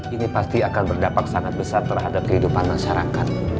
ini pasti akan berdampak sangat besar terhadap kehidupan masyarakat